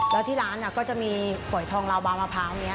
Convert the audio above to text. แล้วที่ร้านก็จะมีหว่อยทองลาวาวมะพร้าวนี่